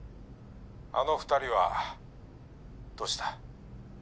あの２人はどうした？